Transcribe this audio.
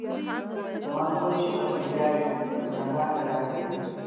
زما خپل شهپر مي بیايي تر زندانه که راځې